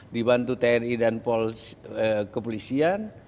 dibantu tni dan polisian